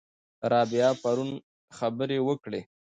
رابعه پرون خبرې وکړې.